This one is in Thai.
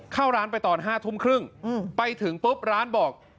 เข้าร้านไปตอน๕ทุ่มครึ่งไปถึงปุ๊บร้านบอก